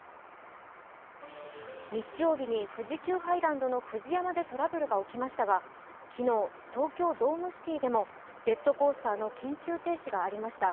日曜日に富士急ハイランドのフジヤマでトラブルがありましたが昨日、東京ドームシティでもジェットコースターの緊急停止がありました。